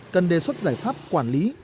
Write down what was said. cần đề xuất giải pháp quản lý